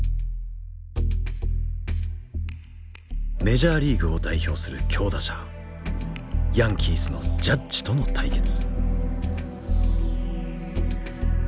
メジャーリーグを代表する強打者ヤンキースのジャッジとの対決。